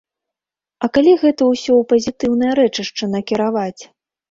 А калі гэта ўсё ў пазітыўнае рэчышча накіраваць?